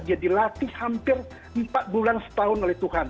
dia dilatih hampir empat bulan setahun oleh tuhan